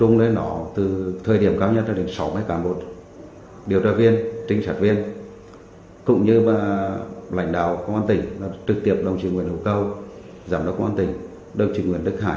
giảm đốc quan tình đồng chí nguyễn đức hải